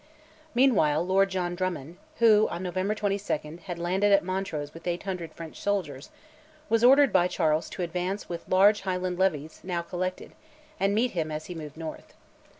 Meanwhile Lord John Drummond, who, on November 22, had landed at Montrose with 800 French soldiers, was ordered by Charles to advance with large Highland levies now collected and meet him as he moved north.